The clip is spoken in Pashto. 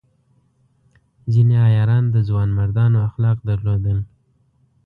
ځینې عیاران د ځوانمردانو اخلاق درلودل.